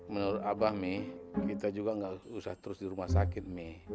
menurut abah mi kita juga nggak usah terus di rumah sakit mi